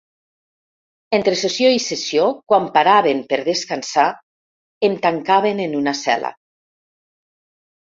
Entre sessió i sessió, quan paraven per descansar, em tancaven en una cel·la.